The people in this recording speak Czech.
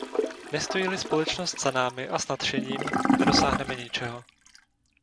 Nestojí-li společnost za námi a s nadšením, nedosáhneme ničeho.